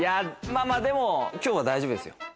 まあでも今日は大丈夫ですよ。